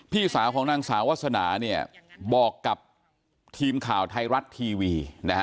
พี่สาวของนางสาววาสนาบอกกับทีมข่าวไทยรัฐทีวี